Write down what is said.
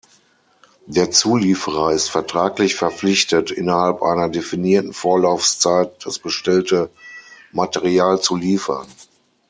Der Zulieferer ist vertraglich verpflichtet, innerhalb einer definierten Vorlaufzeit das bestellte Material zu liefern.